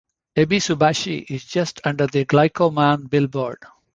Ebisubashi is just under the Glico Man billboard.